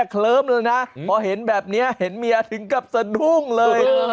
เคลิ้มเลยนะพอเห็นแบบนี้เห็นเมียถึงกับสะดุ้งเลย